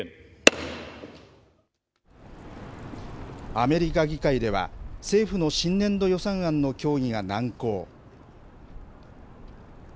アメリカ議会では、政府の新年度予算案の協議が難航。